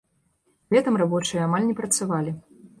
Летам рабочыя амаль не працавалі.